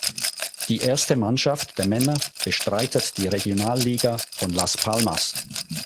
Die erste Mannschaft der Männer bestreitet die Regionalliga von Las Palmas.